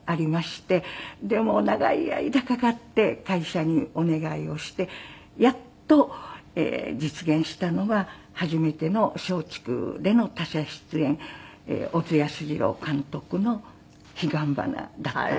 でもう長い間かかって会社にお願いをしてやっと実現したのが初めての松竹での他社出演小津安二郎監督の『彼岸花』だったんです。